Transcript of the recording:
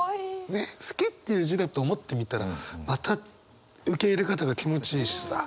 ねっ「好き」っていう字だと思って見たらまた受け入れ方が気持ちいいしさ。